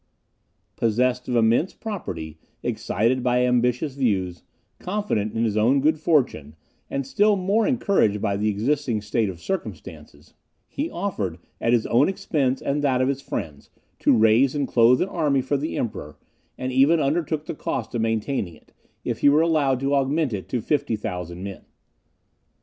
Possessed of immense property, excited by ambitious views, confident in his own good fortune, and still more encouraged by the existing state of circumstances, he offered, at his own expense and that of his friends, to raise and clothe an army for the Emperor, and even undertook the cost of maintaining it, if he were allowed to augment it to 50,000 men.